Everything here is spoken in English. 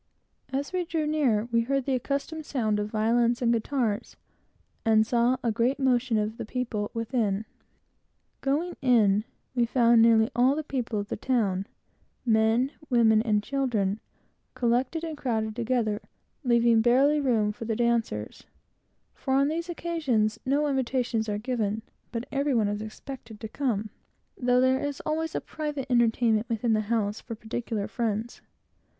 As we drew near, we heard the accustomed sound of violins and guitars, and saw a great motion of the people within. Going in, we found nearly all the people of the town men, women, and children collected and crowded together, leaving barely room for the dancers; for on these occasions no invitations are given, but every one is expected to come, though there is always a private entertainment within the house for particular friends.